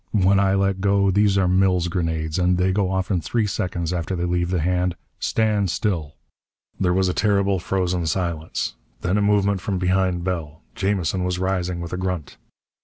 When I let go these are Mills grenades, and they go off in three seconds after they leave the hand. Stand still!" There was a terrible, frozen silence. Then a movement from behind Bell. Jamison was rising with a grunt.